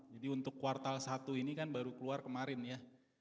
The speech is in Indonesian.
jadi untuk kuartal satu ini kan baru keluar kemarin ya